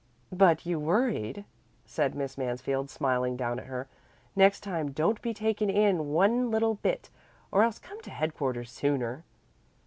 "But you worried," said Miss Mansfield, smiling down at her. "Next time don't be taken in one little bit, or else come to headquarters sooner."